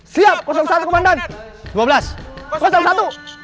siap satu komandan